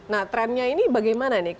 nah trennya ini bagaimana nih